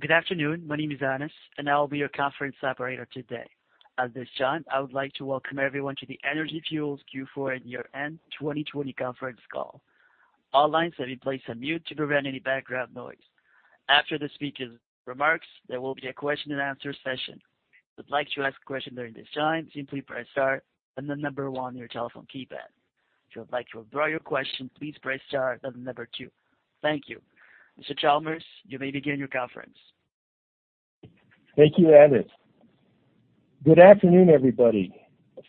Good afternoon. My name is Anas, and I will be your conference operator today. At this time, I would like to welcome everyone to the Energy Fuels Q4 and year-end 2020 conference call. All lines have been placed on mute to prevent any background noise. After the speaker's remarks, there will be a question-and-answer session. If you'd like to ask a question during this time, simply press star and the number one on your telephone keypad. If you would like to withdraw your question, please press star and the number two. Thank you. Mr. Chalmers, you may begin your conference. Thank you, Anas. Good afternoon, everybody.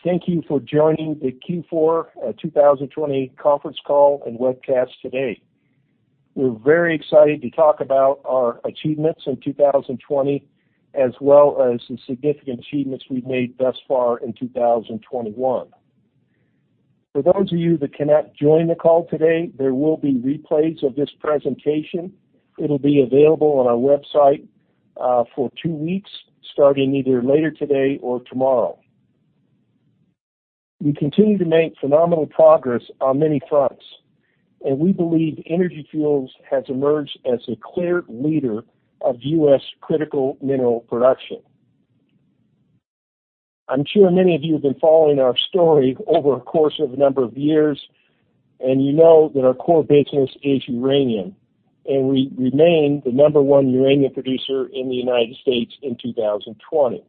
Thank you for joining the Q4 2020 conference call and webcast today. We're very excited to talk about our achievements in 2020, as well as the significant achievements we've made thus far in 2021. For those of you that cannot join the call today, there will be replays of this presentation. It'll be available on our website for two weeks, starting either later today or tomorrow. We continue to make phenomenal progress on many fronts, and we believe Energy Fuels has emerged as a clear leader of U.S. critical mineral production. I'm sure many of you have been following our story over a course of a number of years, and you know that our core business is uranium, and we remain the number one uranium producer in the United States in 2020.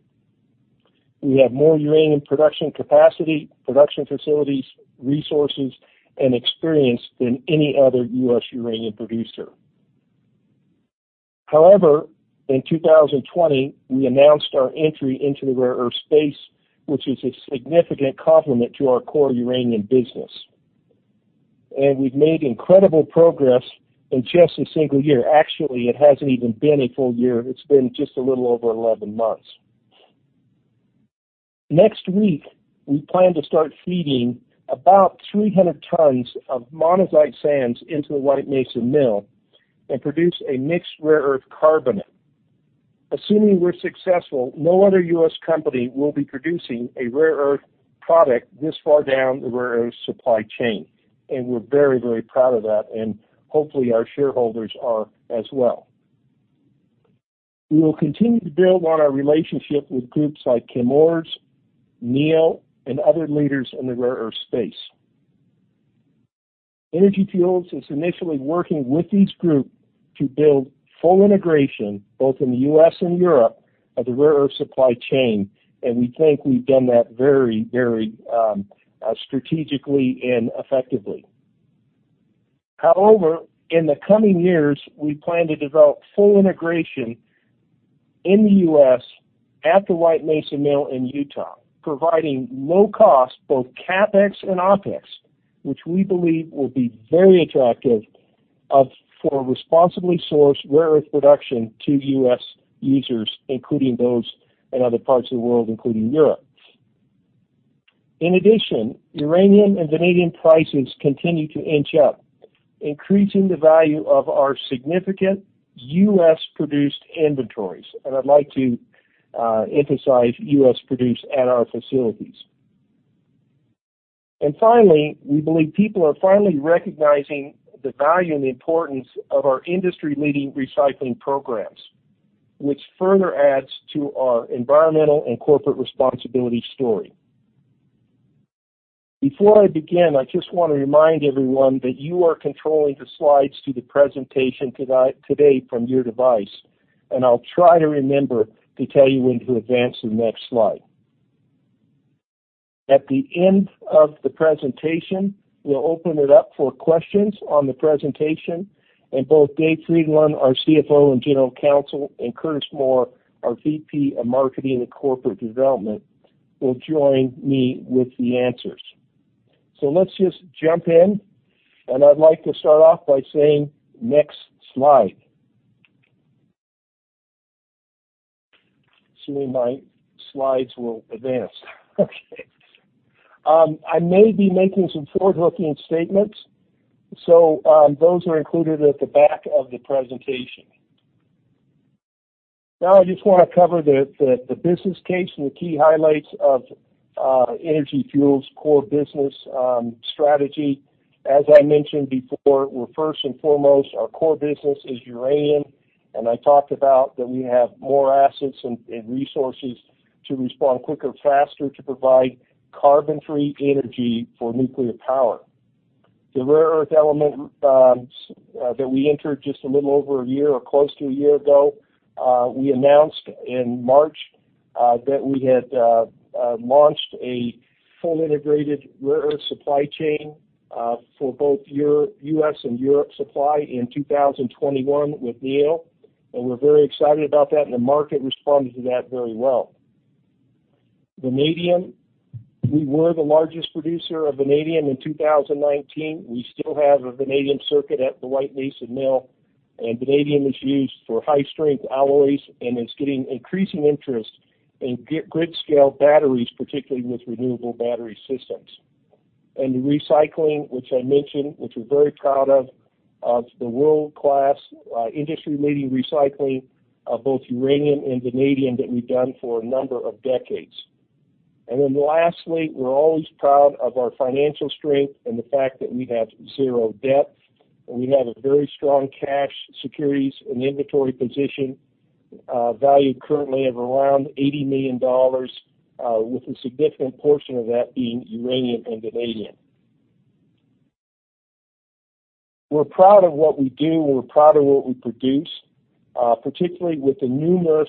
We have more uranium production capacity, production facilities, resources, and experience than any other U.S. uranium producer. However, in 2020, we announced our entry into the rare earth space, which is a significant complement to our core uranium business, and we've made incredible progress in just a single year. Actually, it hasn't even been a full year. It's been just a little over 11 months. Next week, we plan to start feeding about 300 tons of monazite sands into the White Mesa Mill and produce a mixed rare earth carbonate. Assuming we're successful, no other U.S. company will be producing a rare earth product this far down the rare earth supply chain, and we're very, very proud of that, and hopefully our shareholders are as well. We will continue to build on our relationship with groups like Chemours, Neo, and other leaders in the rare earth space. Energy Fuels is initially working with these groups to build full integration, both in the U.S. and Europe, of the rare earth supply chain, and we think we've done that very, very strategically and effectively. However, in the coming years, we plan to develop full integration in the U.S. at the White Mesa Mill in Utah, providing low cost, both CapEx and OpEx, which we believe will be very attractive for responsibly sourced rare earth production to U.S. users, including those in other parts of the world, including Europe. In addition, uranium and vanadium prices continue to inch up, increasing the value of our significant U.S.-produced inventories, and I'd like to emphasize U.S.-produced at our facilities. And finally, we believe people are finally recognizing the value and the importance of our industry-leading recycling programs, which further adds to our environmental and corporate responsibility story. Before I begin, I just want to remind everyone that you are controlling the slides to the presentation today from your device, and I'll try to remember to tell you when to advance to the next slide. At the end of the presentation, we'll open it up for questions on the presentation, and both David Frydenlund, our CFO and General Counsel, and Curtis Moore, our VP of Marketing and Corporate Development, will join me with the answers. So let's just jump in, and I'd like to start off by saying next slide. Assuming my slides will advance. Okay. I may be making some forward-looking statements, so those are included at the back of the presentation. Now, I just want to cover the business case and the key highlights of Energy Fuels' core business strategy. As I mentioned before, we're first and foremost, our core business is uranium, and I talked about that we have more assets and resources to respond quicker, faster, to provide carbon-free energy for nuclear power. The rare earth element that we entered just a little over a year or close to a year ago, we announced in March that we had launched a full integrated rare earth supply chain for both U.S. and Europe supply in 2021 with Neo, and we're very excited about that, and the market responded to that very well. Vanadium, we were the largest producer of vanadium in 2019. We still have a vanadium circuit at the White Mesa Mill, and vanadium is used for high-strength alloys and is getting increasing interest in grid-scale batteries, particularly with renewable battery systems. And the recycling, which I mentioned, which we're very proud of, of the world-class industry-leading recycling of both uranium and vanadium that we've done for a number of decades. And then lastly, we're always proud of our financial strength and the fact that we have zero debt, and we have a very strong cash securities and inventory position, valued currently at around $80 million, with a significant portion of that being uranium and vanadium. We're proud of what we do, and we're proud of what we produce, particularly with the numerous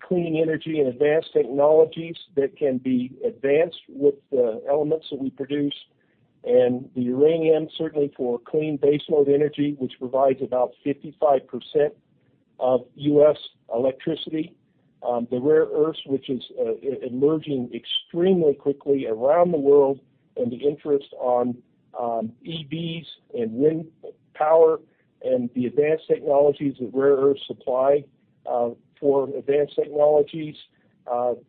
clean energy and advanced technologies that can be advanced with the elements that we produce, and the uranium, certainly for clean baseload energy, which provides about 55% of U.S. electricity, the rare earth, which is emerging extremely quickly around the world, and the interet on EVs and wind power and the advanced technologies that rare earth supply for advanced technologies.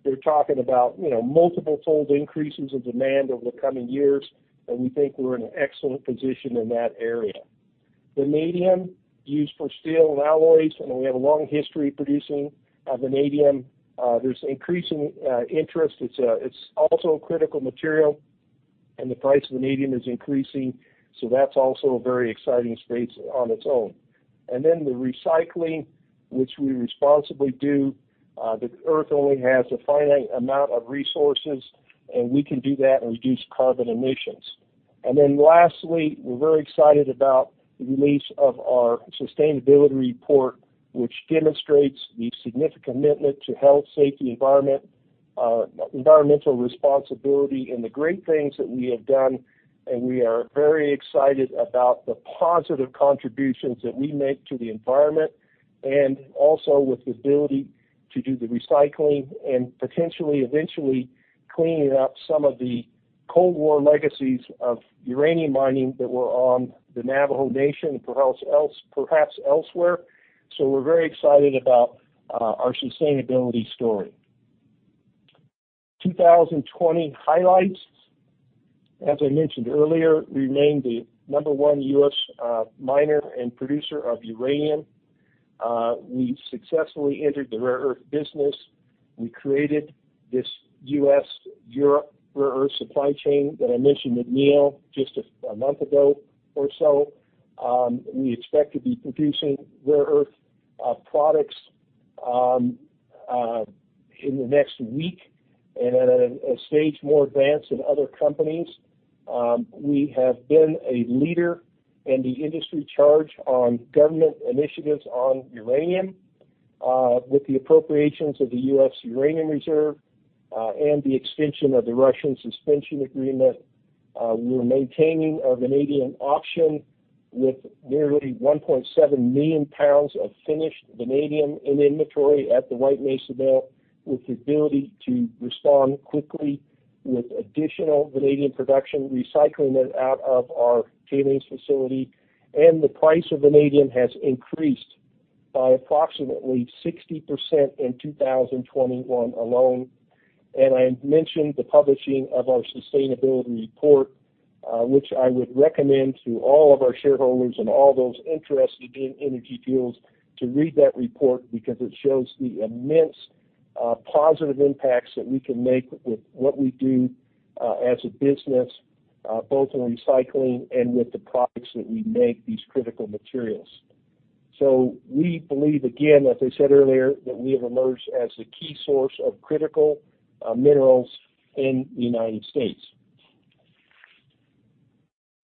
They're talking about multiple-fold increases in demand over the coming years, and we think we're in an excellent position in that area. Vanadium used for steel and alloys, and we have a long history of producing vanadium. There's increasing interest. It's also a critical material, and the price of vanadium is increasing, so that's also a very exciting space on its own. And then the recycling, which we responsibly do, the earth only has a finite amount of resources, and we can do that and reduce carbon emissions. Then lastly, we're very excited about the release of our sustainability report, which demonstrates the significant commitment to health, safety, environmental responsibility, and the great things that we have done, and we are very excited about the positive contributions that we make to the environment and also with the ability to do the recycling and potentially eventually cleaning up some of the Cold War legacies of uranium mining that were on the Navajo Nation and perhaps elsewhere. So we're very excited about our sustainability story. 2020 highlights. As I mentioned earlier, we remain the number one U.S. miner and producer of uranium. We successfully entered the rare earth business. We created this U.S.-Europe rare earth supply chain that I mentioned with Neo just a month ago or so. We expect to be producing rare earth products in the next week and at a stage more advanced than other companies. We have been a leader in the industry charge on government initiatives on uranium, with the appropriations of the U.S. Uranium Reserve and the extension of the Russian Suspension Agreement. We're maintaining a vanadium auction with nearly 1.7 million pounds of finished vanadium in inventory at the White Mesa Mill, with the ability to respond quickly with additional vanadium production, recycling it out of our tailings facility, and the price of vanadium has increased by approximately 60% in 2021 alone. And I mentioned the publishing of our Sustainability Report, which I would recommend to all of our shareholders and all those interested in Energy Fuels to read that report because it shows the immense positive impacts that we can make with what we do as a business, both in recycling and with the products that we make, these critical materials. So we believe, again, as I said earlier, that we have emerged as the key source of critical minerals in the United States.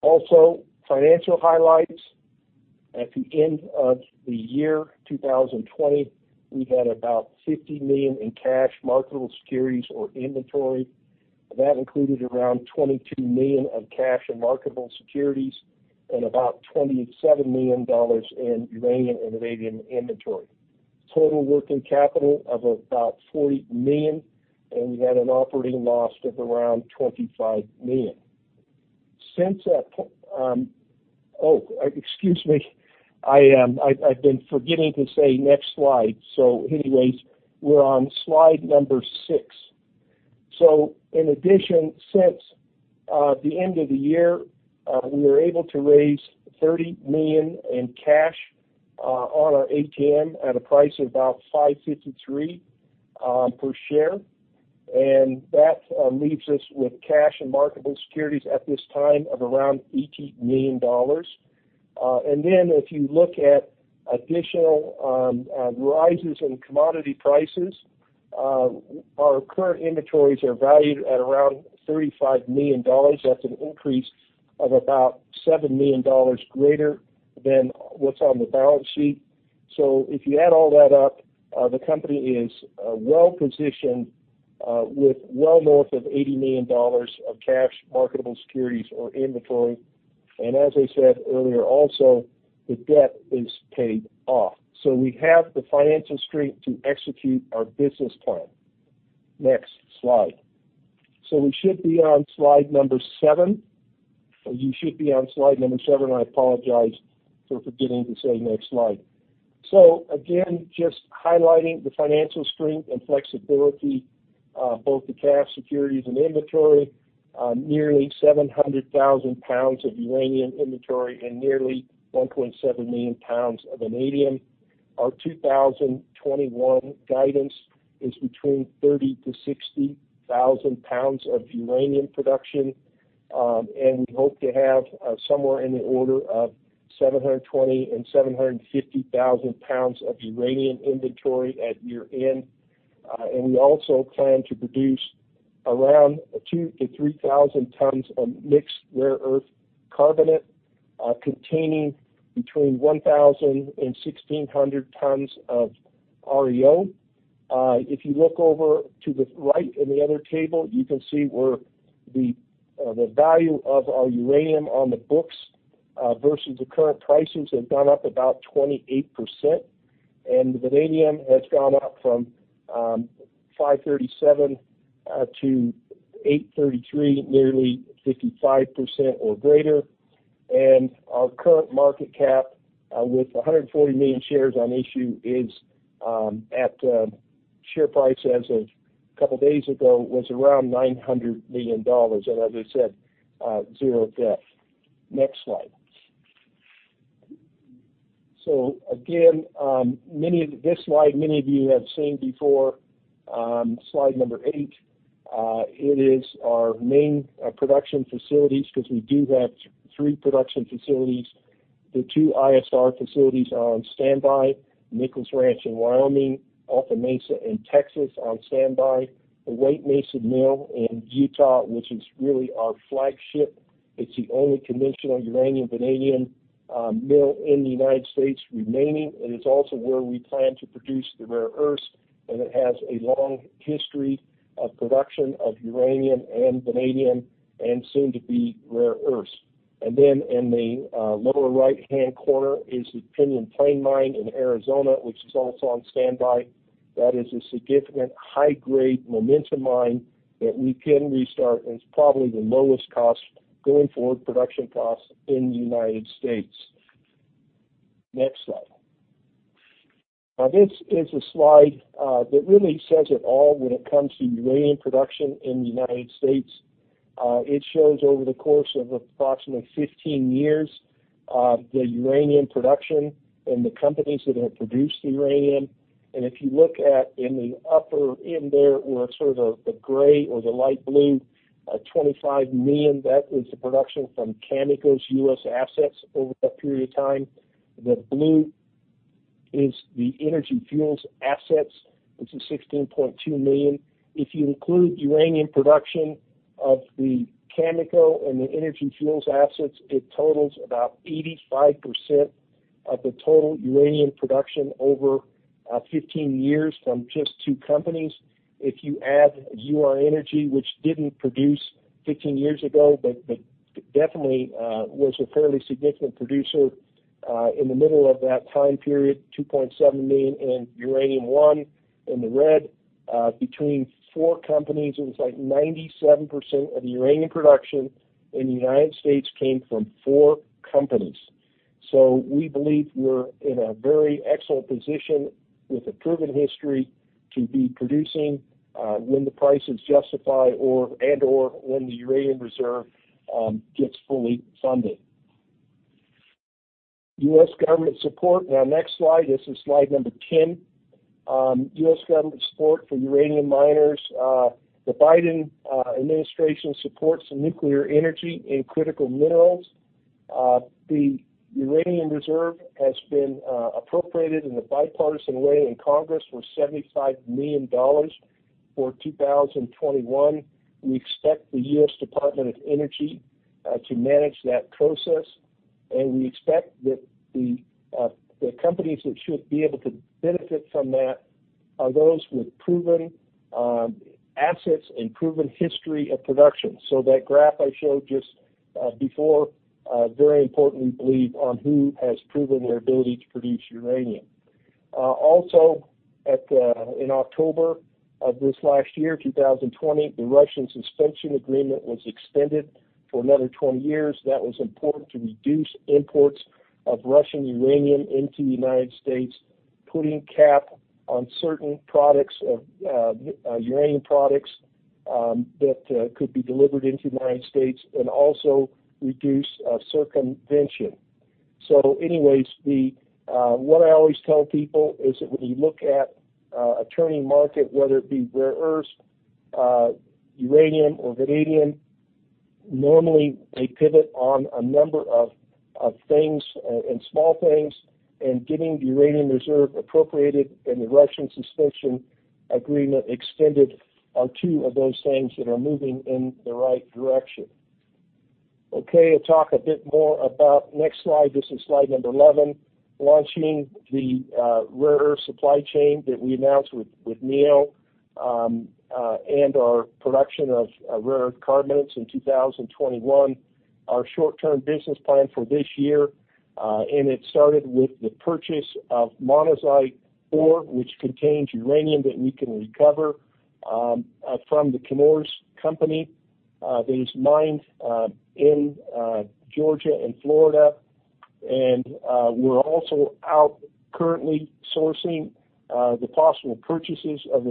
Also, financial highlights. At the end of the year 2020, we had about $50 million in cash, marketable securities, or inventory. That included around $22 million of cash and marketable securities and about $27 million in uranium and vanadium inventory. Total working capital of about $40 million, and we had an operating loss of around $25 million. Since that, oh, excuse me, I've been forgetting to say next slide. So anyways, we're on slide number six. So in addition, since the end of the year, we were able to raise $30 million in cash on our ATM at a price of about $5.53 per share, and that leaves us with cash and marketable securities at this time of around $80 million. And then if you look at additional rises in commodity prices, our current inventories are valued at around $35 million. That's an increase of about $7 million greater than what's on the balance sheet. So if you add all that up, the company is well positioned with well north of $80 million of cash, marketable securities, or inventory. And as I said earlier, also, the debt is paid off. So we have the financial strength to execute our business plan. Next slide. So we should be on slide number seven. You should be on slide number seven. I apologize for forgetting to say next slide. So again, just highlighting the financial strength and flexibility, both the cash, securities, and inventory, nearly 700,000 pounds of uranium inventory and nearly 1.7 million pounds of vanadium. Our 2021 guidance is between 30,000-60,000 pounds of uranium production, and we hope to have somewhere in the order of 720,000 and 750,000 pounds of uranium inventory at year end. We also plan to produce around 2,000-3,000 tons of mixed rare earth carbonate, containing between 1,000 and 1,600 tons of REO. If you look over to the right in the other table, you can see where the value of our uranium on the books versus the current prices have gone up about 28%, and the vanadium has gone up from 537-833, nearly 55% or greater. Our current market cap, with 140 million shares on issue, is at share price as of a couple of days ago, was around $900 million, and as I said, zero debt. Next slide. Again, this slide, many of you have seen before, slide number eight. It is our main production facilities because we do have three production facilities. The two ISR facilities are on standby, Nichols Ranch in Wyoming, Alta Mesa in Texas on standby. The White Mesa Mill in Utah, which is really our flagship. It's the only conventional uranium-vanadium mill in the United States remaining. It is also where we plan to produce the rare earths, and it has a long history of production of uranium, and vanadium, and soon to be rare earths. And then in the lower right-hand corner is the Pinyon Plain Mine in Arizona, which is also on standby. That is a significant high-grade uranium mine that we can restart. It's probably the lowest cost going forward, production cost in the United States. Next slide. Now, this is a slide that really says it all when it comes to uranium production in the United States. It shows, over the course of approximately 15 years, the uranium production and the companies that have produced the uranium. If you look at in the upper end there, where sort of the gray or the light blue, 25 million, that is the production from Cameco's U.S. assets over that period of time. The blue is the Energy Fuels assets, which is 16.2 million. If you include uranium production of the Cameco and the Energy Fuels assets, it totals about 85% of the total uranium production over 15 years from just two companies. If you add Ur-Energy, which didn't produce 15 years ago but definitely was a fairly significant producer in the middle of that time period, 2.7 million in Uranium One in the red. Between four companies, it was like 97% of the uranium production in the United States came from four companies. So we believe we're in a very excellent position with a proven history to be producing when the prices justify and/or when the Uranium Reserve gets fully funded. U.S. government support. Now, next slide. This is slide number 10. U.S. government support for uranium miners. The Biden Administration supports nuclear energy and critical minerals. The Uranium Reserve has been appropriated in a bipartisan way in Congress for $75 million for 2021. We expect the U.S. Department of Energy to manage that process, and we expect that the companies that should be able to benefit from that are those with proven assets and proven history of production. So that graph I showed just before, very importantly, believe on who has proven their ability to produce uranium. Also, in October of this last year, 2020, the Russian Suspension Agreement was extended for another 20 years. That was important to reduce imports of Russian uranium into the United States, putting a cap on certain products of uranium products that could be delivered into the United States and also reduce circumvention. So anyways, what I always tell people is that when you look at a turning market, whether it be rare earths, uranium, or vanadium, normally they pivot on a number of things and small things, and getting the Uranium Reserve appropriated and the Russian Suspension Agreement extended are two of those things that are moving in the right direction. Okay, I'll talk a bit more about next slide. This is slide number 11, launching the rare earth supply chain that we announced with Neo and our production of rare earth carbonates in 2021, our short-term business plan for this year. It started with the purchase of monazite ore, which contains uranium that we can recover from the Chemours Company that is mined in Georgia and Florida. We're also currently sourcing the possible purchases of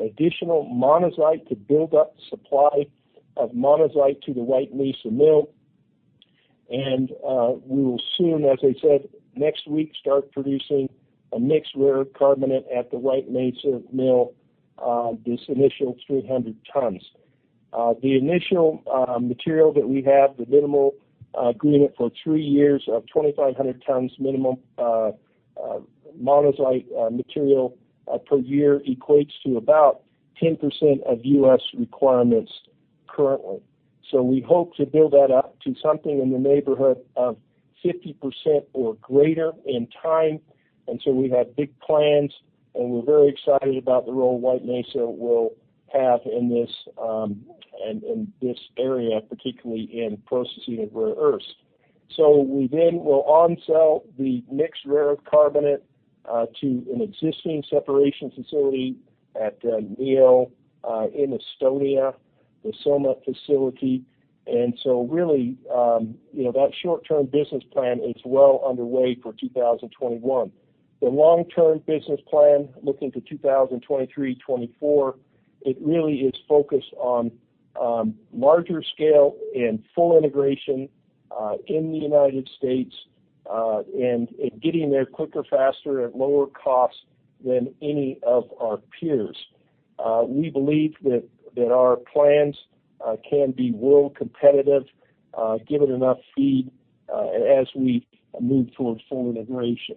additional monazite to build up the supply of monazite to the White Mesa Mill. We will soon, as I said, next week, start producing a mixed rare earth carbonate at the White Mesa Mill, this initial 300 tons. The initial material that we have, the minimum agreement for three years of 2,500 tons minimum monazite material per year equates to about 10% of U.S. requirements currently. So we hope to build that up to something in the neighborhood of 50% or greater in time. We have big plans, and we're very excited about the role White Mesa will have in this area, particularly in processing of rare earths. So we then will onsell the mixed rare earth carbonate to an existing separation facility at Neo in Estonia, the Silmet facility. And so really, that short-term business plan is well underway for 2021. The long-term business plan, looking to 2023, 2024, it really is focused on larger scale and full integration in the United States and getting there quicker, faster, at lower cost than any of our peers. We believe that our plans can be world competitive given enough speed as we move towards full integration.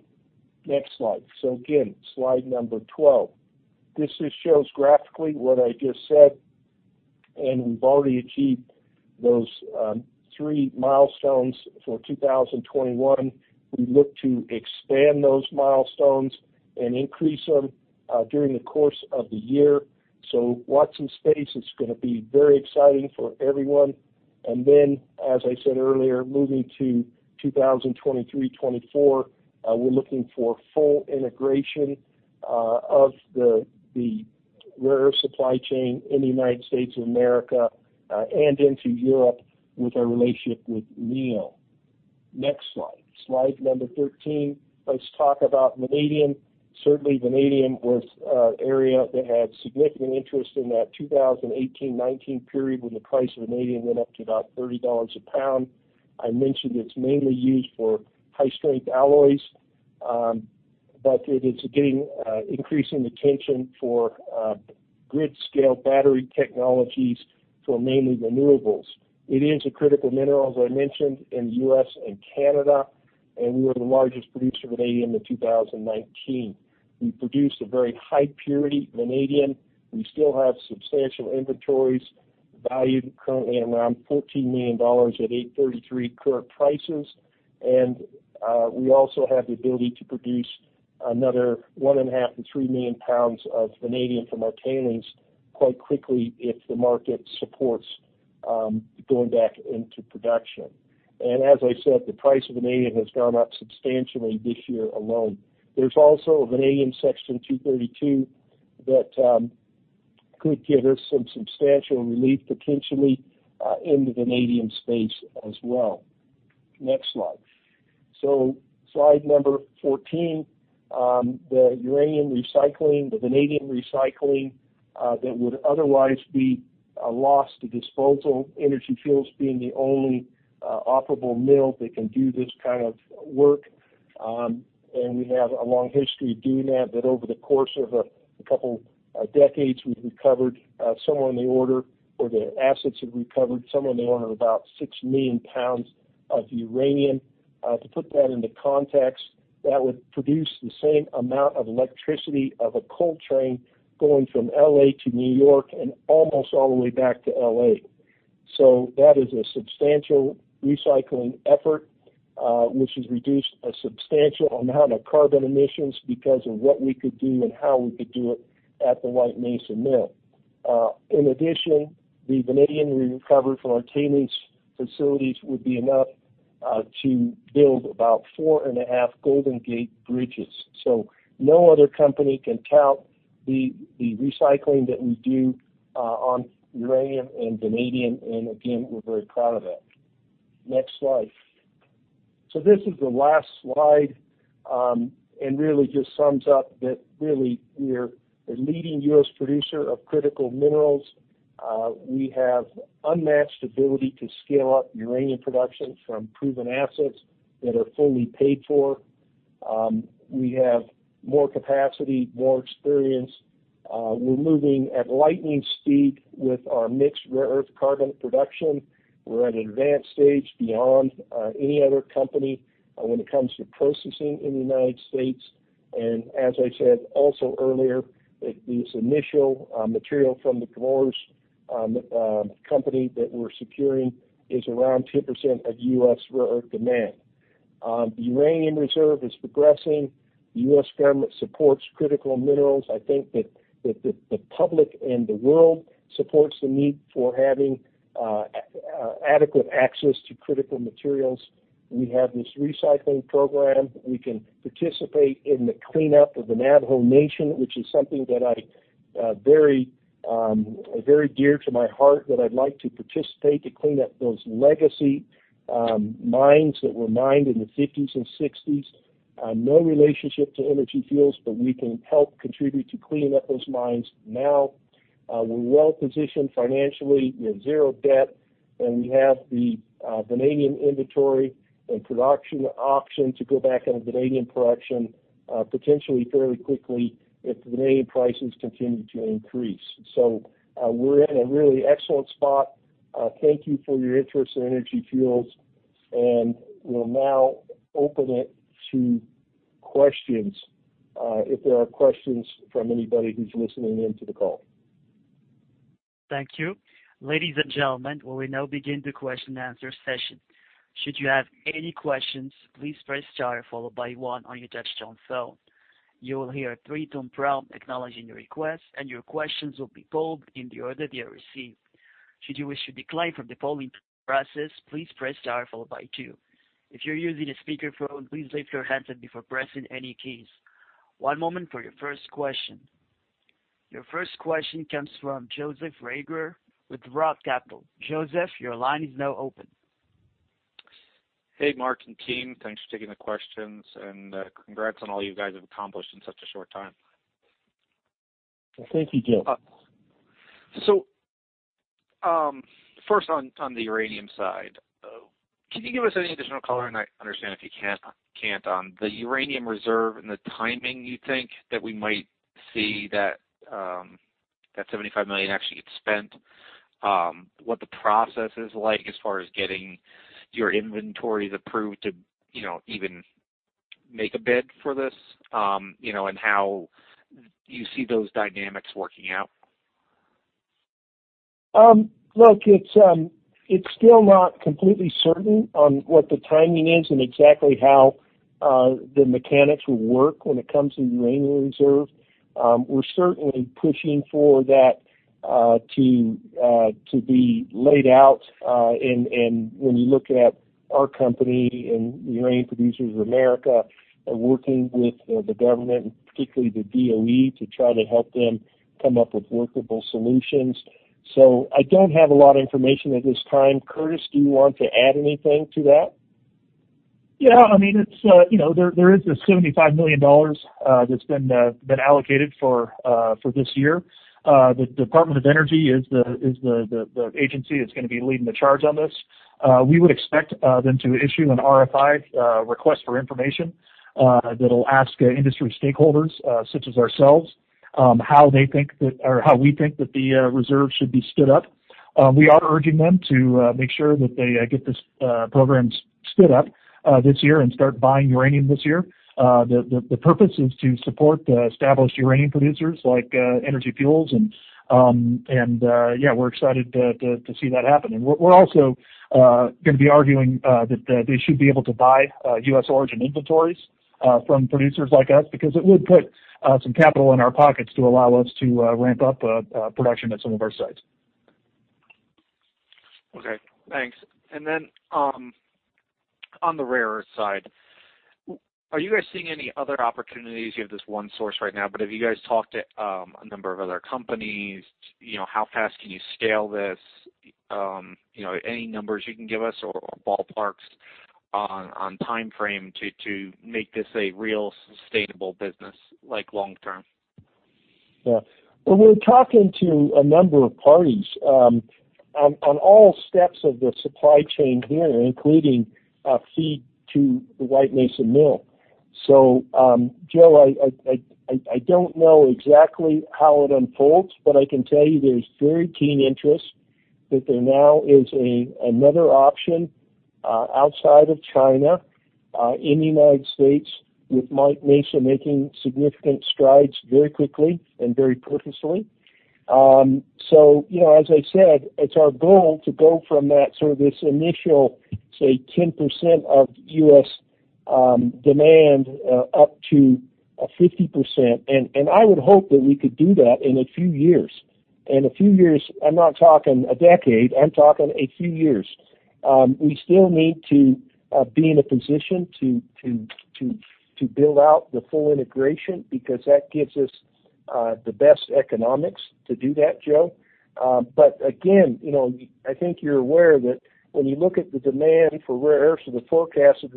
Next slide. So again, slide number 12. This just shows graphically what I just said, and we've already achieved those three milestones for 2021. We look to expand those milestones and increase them during the course of the year. So Watson Space is going to be very exciting for everyone. And then, as I said earlier, moving to 2023, 2024, we're looking for full integration of the rare earth supply chain in the United States of America and into Europe with our relationship with Neo. Next slide. Slide number 13. Let's talk about vanadium. Certainly, vanadium was an area that had significant interest in that 2018, 2019 period when the price of vanadium went up to about $30 a pound. I mentioned it's mainly used for high-strength alloys, but it is increasing attention for grid-scale battery technologies for mainly renewables. It is a critical mineral, as I mentioned, in the U.S. and Canada, and we were the largest producer of vanadium in 2019. We produce a very high-purity vanadium. We still have substantial inventories valued currently at around $14 million at 833 current prices. We also have the ability to produce another 1.5-3 million pounds of vanadium from our tailings quite quickly if the market supports going back into production. As I said, the price of vanadium has gone up substantially this year alone. There's also a vanadium Section 232 that could give us some substantial relief potentially in the vanadium space as well. Next slide. So slide number 14, the uranium recycling, the vanadium recycling that would otherwise be lost to disposal, Energy Fuels being the only operable mill that can do this kind of work. We have a long history of doing that, but over the course of a couple of decades, we've recovered somewhere in the order, or the assets have recovered somewhere in the order of about 6 million pounds of uranium. To put that into context, that would produce the same amount of electricity of a coal train going from L.A. to New York and almost all the way back to L.A. So that is a substantial recycling effort, which has reduced a substantial amount of carbon emissions because of what we could do and how we could do it at the White Mesa Mill. In addition, the vanadium recovered from our tailings facilities would be enough to build about 4.5 Golden Gate Bridges. So no other company can tout the recycling that we do on uranium and vanadium, and again, we're very proud of that. Next slide. So this is the last slide and really just sums up that really we're a leading U.S. producer of critical minerals. We have unmatched ability to scale up uranium production from proven assets that are fully paid for. We have more capacity, more experience. We're moving at lightning speed with our mixed rare earth carbonate production. We're at an advanced stage beyond any other company when it comes to processing in the United States. And as I said also earlier, this initial material from the Chemours Company that we're securing is around 10% of U.S. rare earth demand. The Uranium Reserve is progressing. The U.S. government supports critical minerals. I think that the public and the world supports the need for having adequate access to critical materials. We have this recycling program. We can participate in the cleanup of the Navajo Nation, which is something that's very dear to my heart that I'd like to participate to clean up those legacy mines that were mined in the 1950s and 1960s. No relationship to Energy Fuels, but we can help contribute to cleaning up those mines now. We're well positioned financially. We have zero debt, and we have the vanadium inventory and production option to go back into vanadium production potentially fairly quickly if the vanadium prices continue to increase. So we're in a really excellent spot. Thank you for your interest in Energy Fuels. We'll now open it to questions if there are questions from anybody who's listening in to the call. Thank you. Ladies and gentlemen, we will now begin the question-and-answer session. Should you have any questions, please press star followed by one on your touch-tone phone. You will hear a three-tone prompt acknowledging your request, and your questions will be polled in the order they are received. Should you wish to decline from the polling process, please press star followed by two. If you're using a speakerphone, please pick up your handset before pressing any keys. One moment for your first question. Your first question comes from Joseph Reagor with Roth Capital Partners. Joseph, your line is now open. Hey, Mark and team. Thanks for taking the questions, and congrats on all you guys have accomplished in such a short time. Thank you, Joe. So first, on the uranium side, can you give us any additional color? And I understand if you can't on the Uranium Reserve and the timing you think that we might see that $75 million actually get spent, what the process is like as far as getting your inventories approved to even make a bid for this, and how you see those dynamics working out? Look, it's still not completely certain on what the timing is and exactly how the mechanics will work when it comes to the Uranium Reserve. We're certainly pushing for that to be laid out. When you look at our company and the Uranium Producers of America, they're working with the government, particularly the DOE, to try to help them come up with workable solutions. So I don't have a lot of information at this time. Curtis, do you want to add anything to that? Yeah. I mean, there is this $75 million that's been allocated for this year. The Department of Energy is the agency that's going to be leading the charge on this. We would expect them to issue an RFI, request for information, that'll ask industry stakeholders such as ourselves how they think that or how we think that the reserve should be stood up. We are urging them to make sure that they get this program stood up this year and start buying uranium this year. The purpose is to support established uranium producers like Energy Fuels. Yeah, we're excited to see that happen. We're also going to be arguing that they should be able to buy U.S. origin inventories from producers like us because it would put some capital in our pockets to allow us to ramp up production at some of our sites. Okay. Thanks. Then on the rare earth side, are you guys seeing any other opportunities? You have this one source right now, but have you guys talked to a number of other companies? How fast can you scale this? Any numbers you can give us or ballparks on timeframe to make this a real sustainable business long-term? Yeah. Well, we're talking to a number of parties on all steps of the supply chain here, including feed to the White Mesa Mill. So Joe, I don't know exactly how it unfolds, but I can tell you there's very keen interest that there now is another option outside of China in the United States with White Mesa making significant strides very quickly and very purposefully. So as I said, it's our goal to go from that sort of this initial, say, 10% of U.S. demand up to 50%. And I would hope that we could do that in a few years. And a few years, I'm not talking a decade. I'm talking a few years. We still need to be in a position to build out the full integration because that gives us the best economics to do that, Joe. But again, I think you're aware that when you look at the demand for rare earths, the forecasted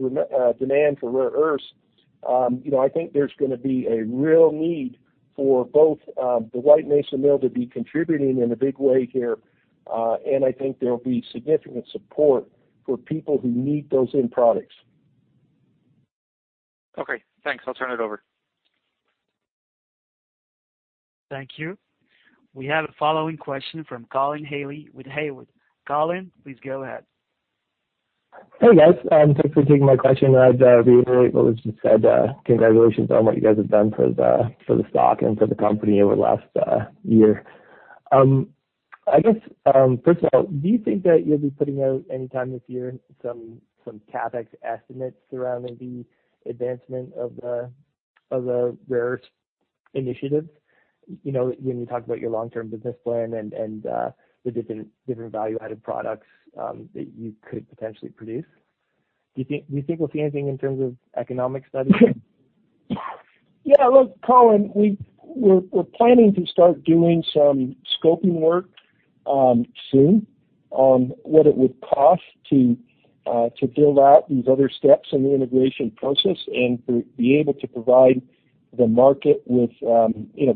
demand for rare earths, I think there's going to be a real need for both the White Mesa Mill to be contributing in a big way here. And I think there'll be significant support for people who need those end products. Okay. Thanks. I'll turn it over. Thank you. We have a following question from Colin Healey with Haywood. Colin, please go ahead. Hey, guys. Thanks for taking my question. I'd reiterate what was just said. Congratulations on what you guys have done for the stock and for the company over the last year. I guess, first of all, do you think that you'll be putting out anytime this year some CapEx estimates surrounding the advancement of the rare earth initiative when you talk about your long-term business plan and the different value-added products that you could potentially produce? Do you think we'll see anything in terms of economic studies? Yeah. Look, Colin, we're planning to start doing some scoping work soon on what it would cost to build out these other steps in the integration process and be able to provide the market with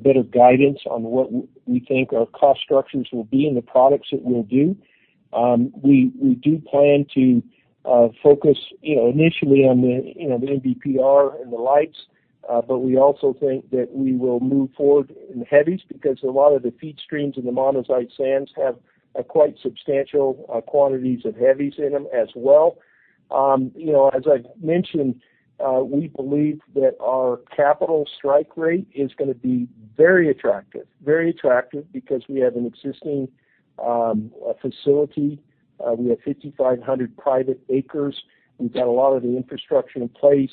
better guidance on what we think our cost structures will be and the products that we'll do. We do plan to focus initially on the NdPr and the lights, but we also think that we will move forward in the heavies because a lot of the feed streams and the monazite sands have quite substantial quantities of heavies in them as well. As I've mentioned, we believe that our capital strike rate is going to be very attractive, very attractive because we have an existing facility. We have 5,500 private acres. We've got a lot of the infrastructure in place,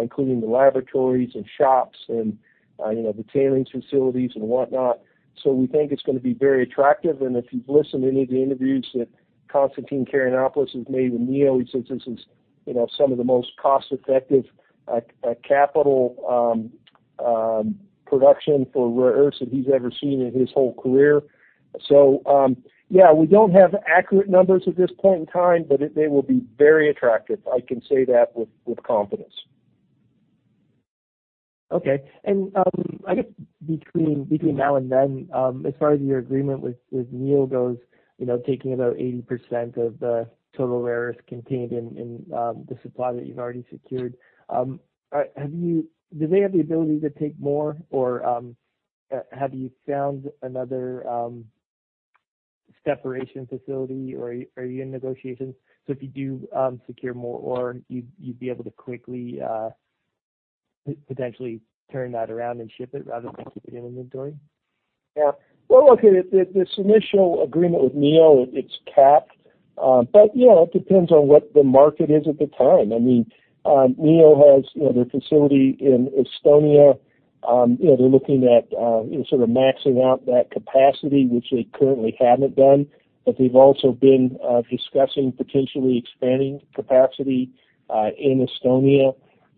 including the laboratories and shops and the tailings facilities and whatnot. So we think it's going to be very attractive. And if you've listened to any of the interviews that Constantine Karayannopoulos has made with Neo, he says this is some of the most cost-effective capital production for rare earths that he's ever seen in his whole career. So yeah, we don't have accurate numbers at this point in time, but they will be very attractive. I can say that with confidence. Okay. And I guess between now and then, as far as your agreement with Neo goes, taking about 80% of the total rare earth contained in the supply that you've already secured, do they have the ability to take more, or have you found another separation facility, or are you in negotiations? So if you do secure more, or you'd be able to quickly potentially turn that around and ship it rather than keep it in inventory? Yeah. Well, look, this initial agreement with Neo, it's capped. But it depends on what the market is at the time. I mean, Neo has their facility in Estonia. They're looking at sort of maxing out that capacity, which they currently haven't done. But they've also been discussing potentially expanding capacity in Estonia.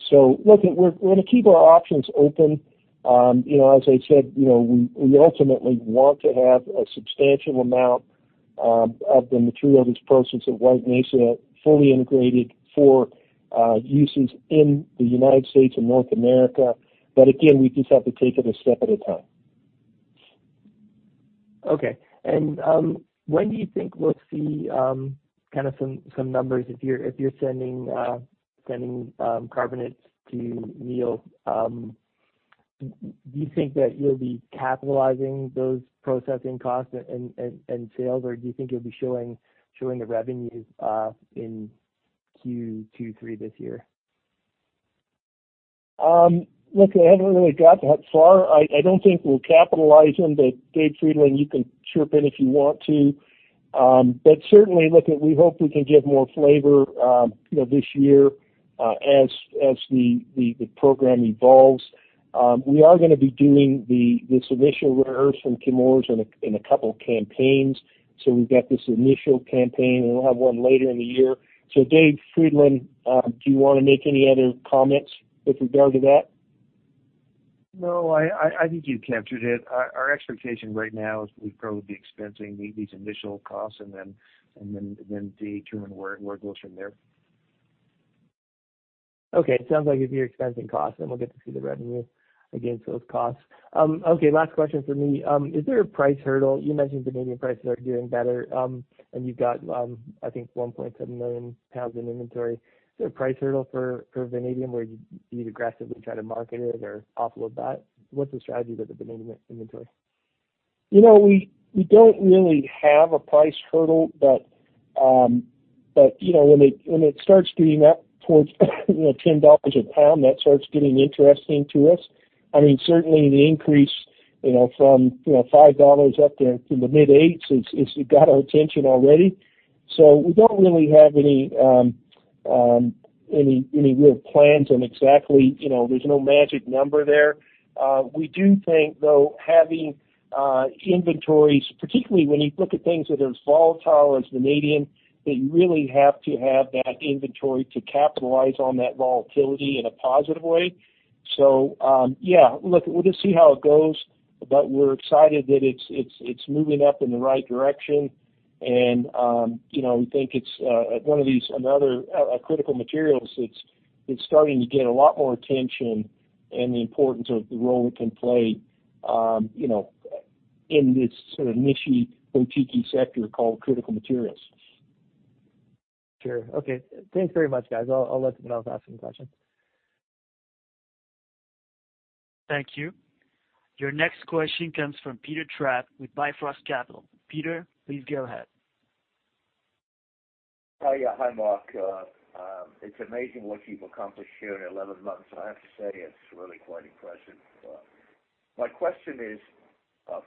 So look, we're going to keep our options open. As I said, we ultimately want to have a substantial amount of the materials as processed at White Mesa fully integrated for uses in the United States and North America. But again, we just have to take it a step at a time. Okay. And when do you think we'll see kind of some numbers? If you're sending carbonates to Neo, do you think that you'll be capitalizing those processing costs and sales, or do you think you'll be showing the revenues in Q2, Q3 this year? Look, they haven't really gotten that far. I don't think we'll capitalize on the, Dave Frydenlund, you can chime in if you want to. But certainly, look, we hope we can give more flavor this year as the program evolves. We are going to be doing this initial rare earth from Chemours in a couple of campaigns. So we've got this initial campaign, and we'll have one later in the year. So Dave Frydenlund, do you want to make any other comments with regard to that? No. I think you captured it. Our expectation right now is we'd probably be expensing these initial costs and then determine where it goes from there. Okay. It sounds like it'd be expensing costs, and we'll get to see the revenue against those costs. Okay. Last question for me. Is there a price hurdle? You mentioned the vanadium prices are doing better, and you've got, I think, 1.7 million pounds in inventory. Is there a price hurdle for vanadium where you'd aggressively try to market it or offload that? What's the strategy with the vanadium inventory? We don't really have a price hurdle, but when it starts getting up towards $10 a pound, that starts getting interesting to us. I mean, certainly, the increase from $5 up to the mid-8s has got our attention already. So we don't really have any real plans on exactly. There's no magic number there. We do think, though, having inventories, particularly when you look at things that are as volatile as vanadium, that you really have to have that inventory to capitalize on that volatility in a positive way. So yeah, look, we'll just see how it goes. But we're excited that it's moving up in the right direction. And we think it's one of these critical materials that's starting to get a lot more attention and the importance of the role it can play in this sort of nichey, boutiquey sector called critical materials. Sure. Okay. Thanks very much, guys. I'll let someone else ask some questions. Thank you. Your next question comes from Peter Trapp with Bifrost Capital. Peter, please go ahead. Yeah. Hi, Mark. It's amazing what you've accomplished here in 11 months. I have to say it's really quite impressive. My question is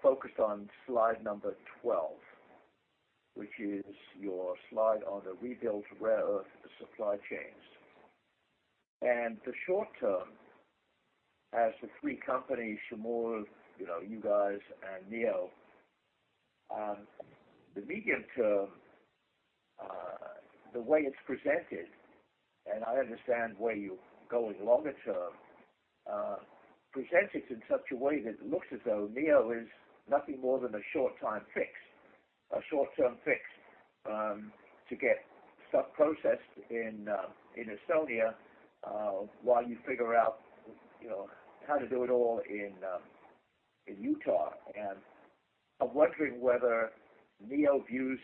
focused on slide number 12, which is your slide on the rebuilt rare earth supply chains. And the short term, as the three companies, Chemours, you guys, and Neo, the medium term, the way it's presented, and I understand where you're going longer term, presents it in such a way that it looks as though Neo is nothing more than a short-term fix to get stuff processed in Estonia while you figure out how to do it all in Utah. And I'm wondering whether Neo views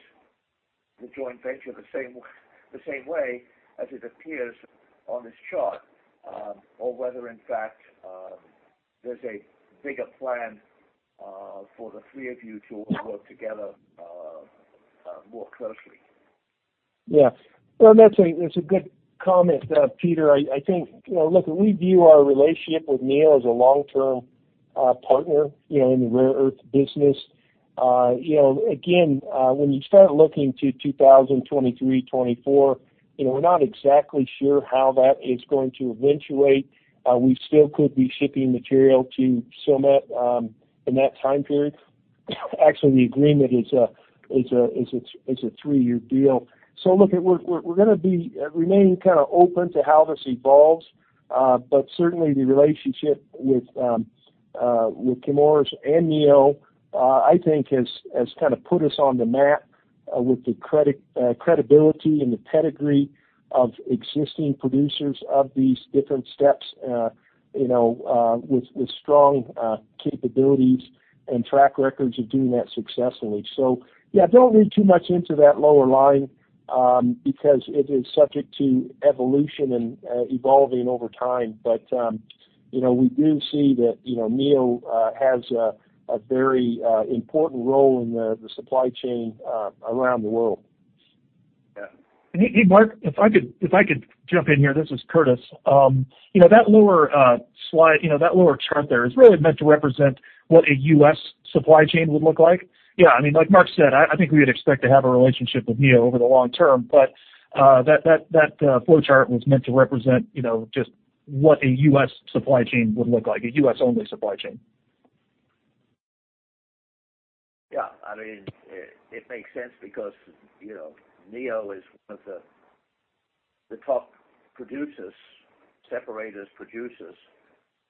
the joint venture the same way as it appears on this chart or whether, in fact, there's a bigger plan for the three of you to all work together more closely. Yeah. Well, that's a good comment, Peter. I think, look, we view our relationship with Neo as a long-term partner in the rare earth business. Again, when you start looking to 2023, 2024, we're not exactly sure how that is going to eventuate. We still could be shipping material to Silmet in that time period. Actually, the agreement is a three-year deal. So look, we're going to be remaining kind of open to how this evolves. But certainly, the relationship with Chemours and Neo, I think, has kind of put us on the map with the credibility and the pedigree of existing producers of these different steps with strong capabilities and track records of doing that successfully. So yeah, don't read too much into that lower line because it is subject to evolution and evolving over time. But we do see that Neo has a very important role in the supply chain around the world. Yeah. Hey, Mark, if I could jump in here, this is Curtis. That lower slide, that lower chart there is really meant to represent what a U.S. supply chain would look like. Yeah. I mean, like Mark said, I think we would expect to have a relationship with Neo over the long term. But that flow chart was meant to represent just what a U.S. supply chain would look like, a U.S.-only supply chain. Yeah. I mean, it makes sense because Neo is one of the top separator producers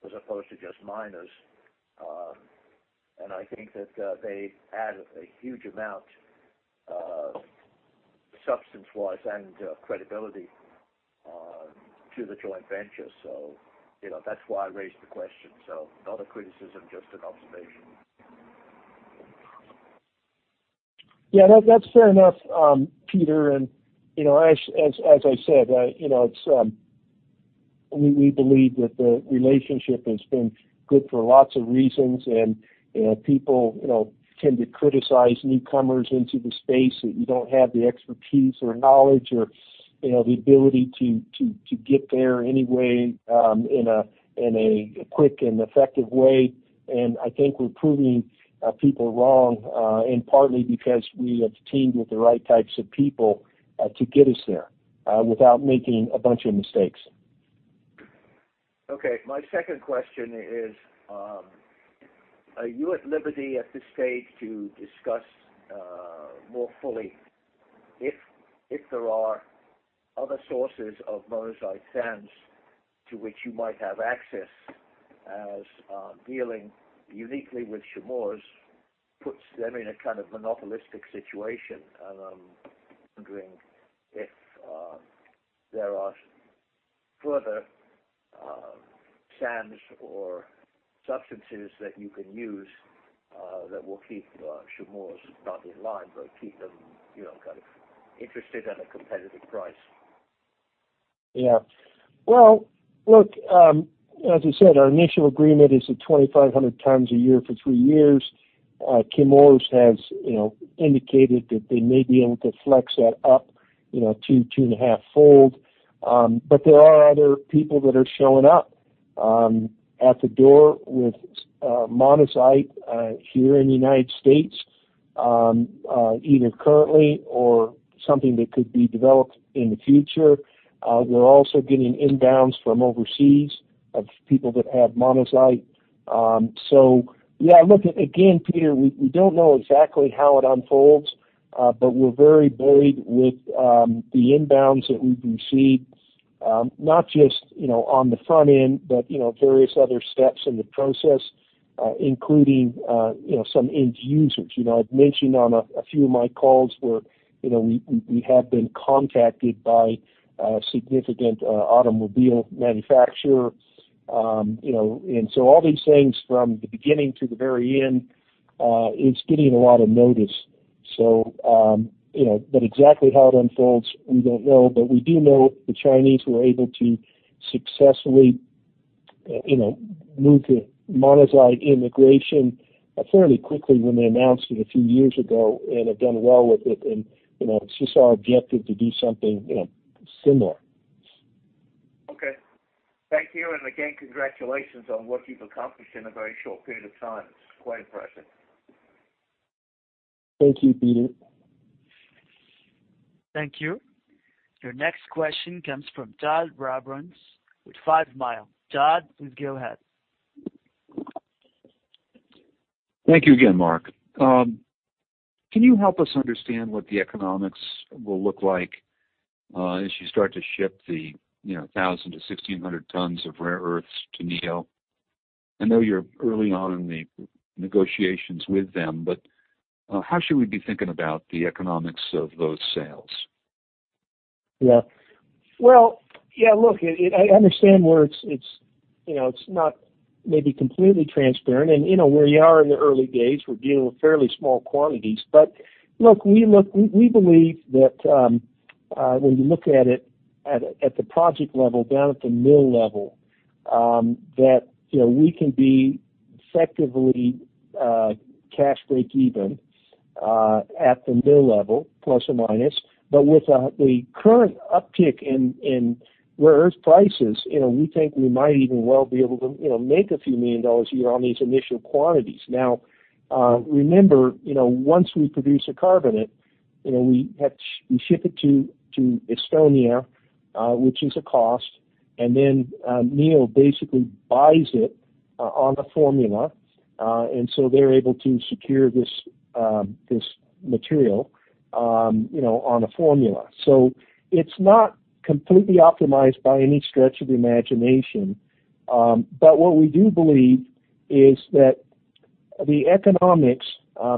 as opposed to just miners. And I think that they add a huge amount of substance-wise and credibility to the joint venture. So that's why I raised the question. So not a criticism, just an observation. Yeah. That's fair enough, Peter. And as I said, we believe that the relationship has been good for lots of reasons. And people tend to criticize newcomers into the space that you don't have the expertise or knowledge or the ability to get there anyway in a quick and effective way. And I think we're proving people wrong in partly because we have teamed with the right types of people to get us there without making a bunch of mistakes. Okay. My second question is, are you at liberty at this stage to discuss more fully if there are other sources of monazite sands to which you might have access as dealing uniquely with Chemours puts them in a kind of monopolistic situation? I'm wondering if there are further sands or substances that you can use that will keep Chemours not in line, but keep them kind of interested at a competitive price. Yeah. Well, look, as I said, our initial agreement is at 2,500 pounds a year for three years. Chemours has indicated that they may be able to flex that up to 2.5-fold. But there are other people that are showing up at the door with monazite here in the United States, either currently or something that could be developed in the future. We're also getting inbounds from overseas of people that have monazite. So yeah, look, again, Peter, we don't know exactly how it unfolds, but we're very buoyed with the inbounds that we've received, not just on the front end, but various other steps in the process, including some end users. I've mentioned on a few of my calls where we have been contacted by a significant automobile manufacturer. And so all these things from the beginning to the very end, it's getting a lot of notice. But exactly how it unfolds, we don't know. But we do know the Chinese were able to successfully move to monazite integration fairly quickly when they announced it a few years ago and have done well with it. And it's just our objective to do something similar. Okay. Thank you. And again, congratulations on what you've accomplished in a very short period of time. It's quite impressive. Thank you, Peter. Thank you. Your next question comes from Todd Robbins with Five Mile. Todd, please go ahead. Thank you again, Mark. Can you help us understand what the economics will look like as you start to ship the 1,000-1,600 tons of rare earths to Neo? I know you're early on in the negotiations with them, but how should we be thinking about the economics of those sales? Yeah. Well, yeah, look, I understand where it's not maybe completely transparent. And where you are in the early days, we're dealing with fairly small quantities. But look, we believe that when you look at it at the project level, down at the mill level, that we can be effectively cash break-even at the mill level, plus or minus. But with the current uptick in rare earth prices, we think we might even well be able to make a few million a year on these initial quantities. Now, remember, once we produce a carbonate, we ship it to Estonia, which is a cost. And then Neo basically buys it on a formula. And so they're able to secure this material on a formula. So it's not completely optimized by any stretch of the imagination. But what we do believe is that the economics,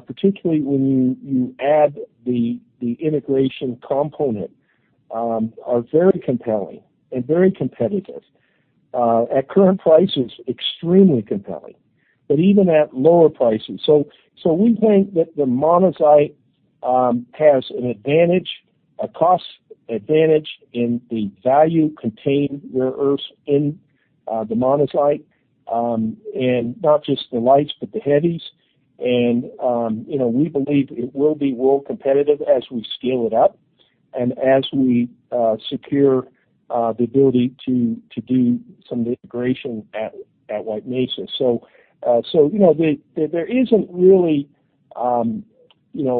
particularly when you add the integration component, are very compelling and very competitive. At current prices, extremely compelling, but even at lower prices. So we think that the monazite has a cost advantage in the value-contained rare earth in the monazite, and not just the lights, but the heavies. And we believe it will be world competitive as we scale it up and as we secure the ability to do some of the integration at White Mesa. So there isn't really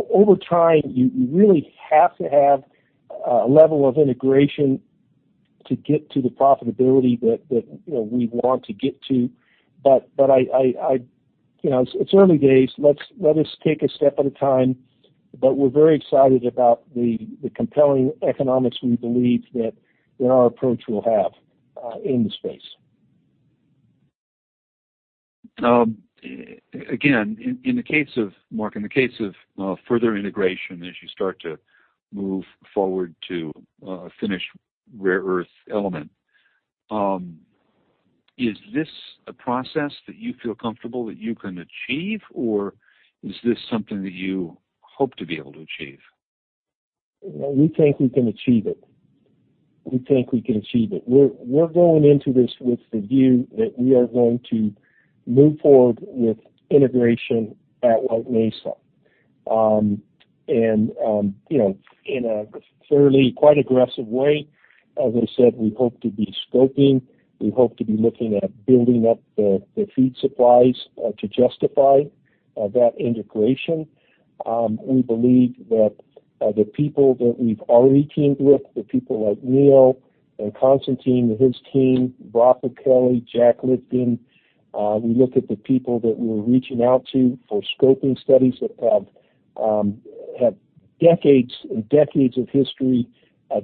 over time, you really have to have a level of integration to get to the profitability that we want to get to. But it's early days. Let us take a step at a time. But we're very excited about the compelling economics we believe that our approach will have in the space. Again, in the case of, Mark, in the case of further integration as you start to move forward to a finished rare earth element, is this a process that you feel comfortable that you can achieve, or is this something that you hope to be able to achieve? We think we can achieve it. We think we can achieve it. We're going into this with the view that we are going to move forward with integration at White Mesa. In a fairly quite aggressive way, as I said, we hope to be scoping. We hope to be looking at building up the feed supplies to justify that integration. We believe that the people that we've already teamed with, the people like Neo and Constantine and his team, Brock O'Kelley, Jack Lifton, we look at the people that we're reaching out to for scoping studies that have decades and decades of history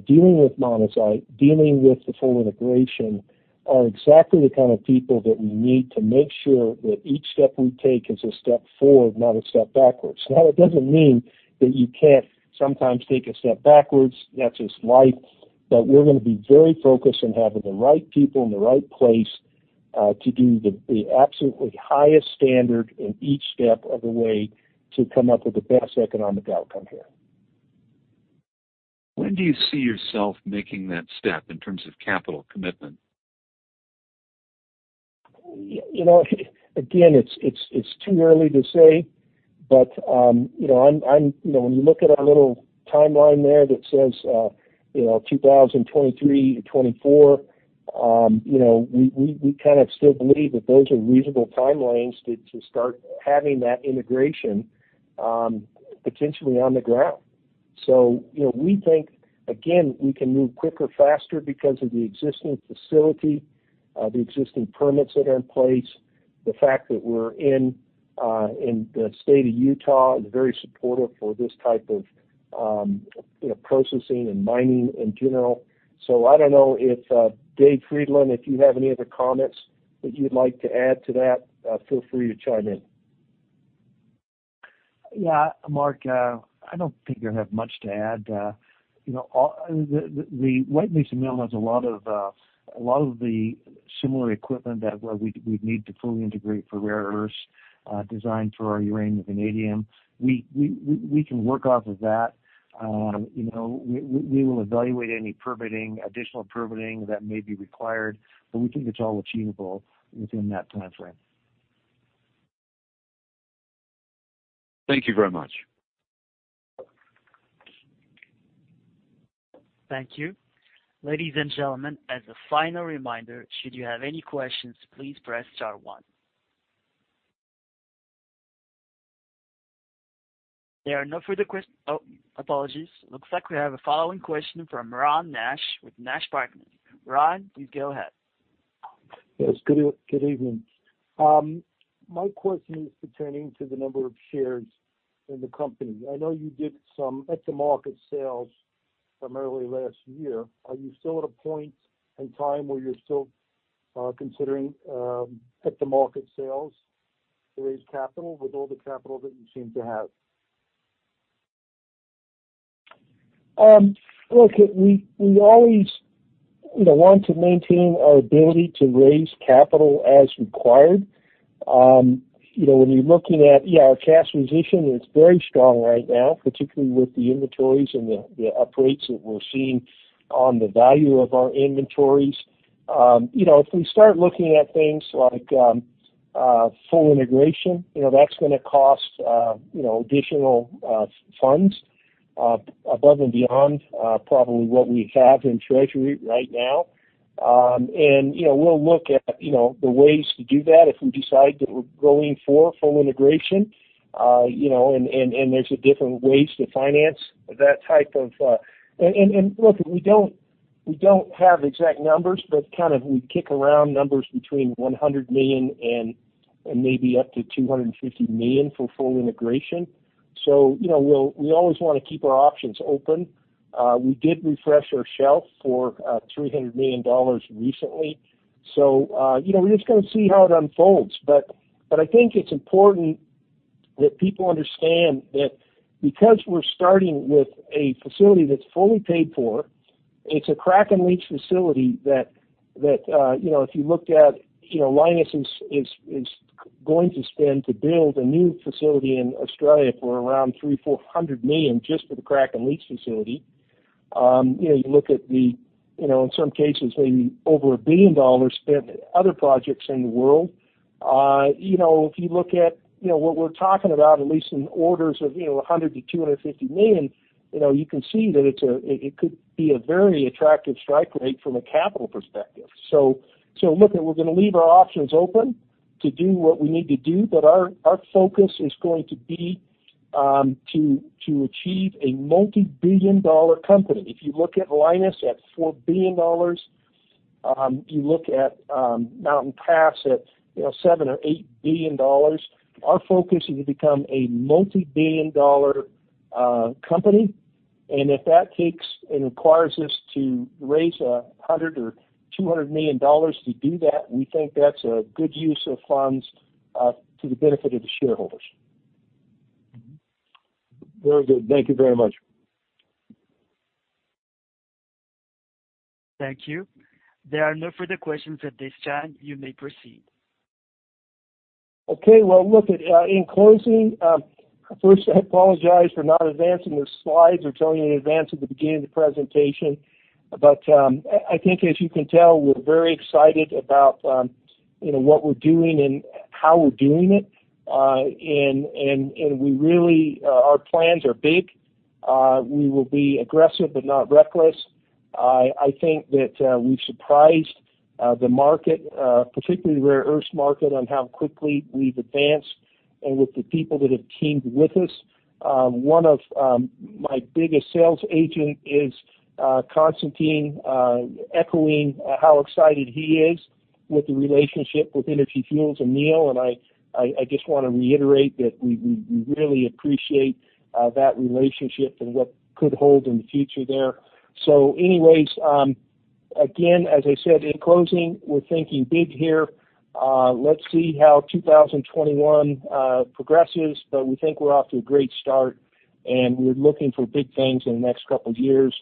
dealing with monazite, dealing with the full integration, are exactly the kind of people that we need to make sure that each step we take is a step forward, not a step backwards. Now, that doesn't mean that you can't sometimes take a step backwards. That's just life. But we're going to be very focused on having the right people in the right place to do the absolutely highest standard in each step of the way to come up with the best economic outcome here. When do you see yourself making that step in terms of capital commitment? Again, it's too early to say. But when you look at our little timeline there that says 2023 to 2024, we kind of still believe that those are reasonable timelines to start having that integration potentially on the ground. So we think, again, we can move quicker, faster because of the existing facility, the existing permits that are in place, the fact that we're in the state of Utah is very supportive for this type of processing and mining in general. So I don't know if Dave Frydenlund, if you have any other comments that you'd like to add to that, feel free to chime in. Yeah. Mark, I don't think I have much to add. The White Mesa Mill has a lot of the similar equipment that we'd need to fully integrate for rare earths designed for our uranium and vanadium. We can work off of that. We will evaluate any additional permitting that may be required, but we think it's all achievable within that timeframe. Thank you very much. Thank you. Ladies and gentlemen, as a final reminder, should you have any questions, please press star one. There are no further questions. Oh, apologies. Looks like we have a following question from Ron Nash with Nash Partners. Ron, please go ahead. Yes. Good evening. My question is pertaining to the number of shares in the company. I know you did some At-the-Market sales primarily last year. Are you still at a point in time where you're still considering At-the-Market sales to raise capital with all the capital that you seem to have? Look, we always want to maintain our ability to raise capital as required. When you're looking at, yeah, our cash position, it's very strong right now, particularly with the inventories and the uprates that we're seeing on the value of our inventories. If we start looking at things like full integration, that's going to cost additional funds above and beyond probably what we have in treasury right now. We'll look at the ways to do that if we decide that we're going for full integration. There's different ways to finance that type of, and look, we don't have exact numbers, but kind of we kick around numbers between $100 million and maybe up to $250 million for full integration. So we always want to keep our options open. We did refresh our shelf for $300 million recently. So we're just going to see how it unfolds. But I think it's important that people understand that because we're starting with a facility that's fully paid for, it's a crack and leach facility that if you looked at Lynas is going to spend to build a new facility in Australia for around $300 million-$400 million just for the crack and leach facility. You look at the, in some cases, maybe over $1 billion spent at other projects in the world. If you look at what we're talking about, at least in orders of $100 million-$250 million, you can see that it could be a very attractive strike rate from a capital perspective. So look, we're going to leave our options open to do what we need to do, but our focus is going to be to achieve a multi-billion dollar company. If you look at Lynas at $4 billion, you look at Mountain Pass at $7 billion or $8 billion. Our focus is to become a multi-billion dollar company. If that takes and requires us to raise $100 million or $200 million to do that, we think that's a good use of funds to the benefit of the shareholders. Very good. Thank you very much. Thank you. There are no further questions at this time. You may proceed. Well, look, in closing, first, I apologize for not advancing the slides or telling you in advance at the beginning of the presentation. But I think, as you can tell, we're very excited about what we're doing and how we're doing it. And our plans are big. We will be aggressive but not reckless. I think that we've surprised the market, particularly the rare earth market, on how quickly we've advanced and with the people that have teamed with us. One of my biggest sales agents is Constantine, echoing how excited he is with the relationship with Energy Fuels and Neo. And I just want to reiterate that we really appreciate that relationship and what could hold in the future there. So anyways, again, as I said, in closing, we're thinking big here. Let's see how 2021 progresses, but we think we're off to a great start. And we're looking for big things in the next couple of years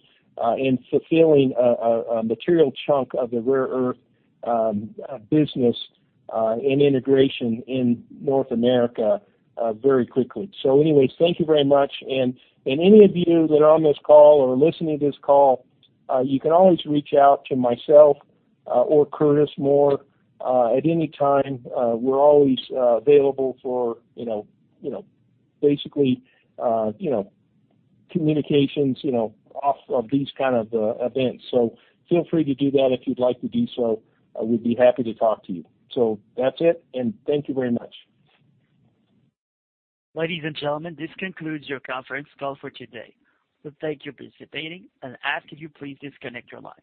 in fulfilling a material chunk of the rare earth business and integration in North America very quickly. So anyways, thank you very much. And any of you that are on this call or listening to this call, you can always reach out to myself or Curtis Moore at any time. We're always available for basically communications off of these kind of events. So feel free to do that if you'd like to do so. We'd be happy to talk to you. So that's it. And thank you very much. Ladies and gentlemen, this concludes your conference call for today. We thank you for participating. And after you, please disconnect the line.